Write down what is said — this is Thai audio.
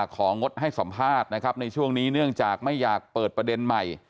งดให้สัมภาษณ์นะครับในช่วงนี้เนื่องจากไม่อยากเปิดประเด็นใหม่